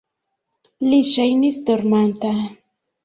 Li ŝajnis dormanta.